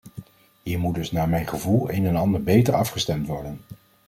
Hier moet dus naar mijn gevoel een en ander beter afgestemd worden.